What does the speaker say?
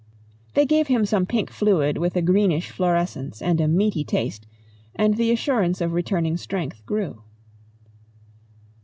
They gave him some pink fluid with a greenish fluorescence and a meaty taste, and the assurance of returning strength grew.